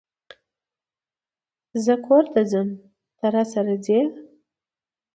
زه کور ته ځم ته، راسره ځئ؟